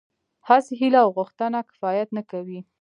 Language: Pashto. هسې هيله او غوښتنه کفايت نه کوي.